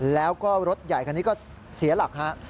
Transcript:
แล้วก็รถใหญ่คันนี้ก็เสียหลักฮะ